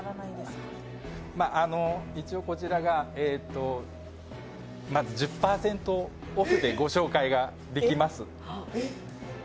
ま、一応こちらが、まず１０％オフでご紹介できます。